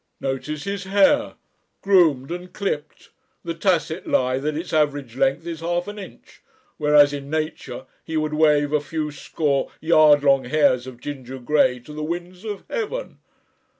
Notice his hair, groomed and clipped, the tacit lie that its average length is half an inch, whereas in nature he would wave a few score yard long hairs of ginger grey to the winds of heaven.